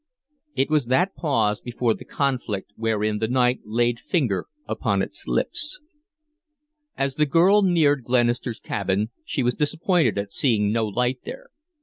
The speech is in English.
It was that pause before the conflict wherein the night laid finger upon its lips. As the girl neared Glenister's cabin she was disappointed at seeing no light there.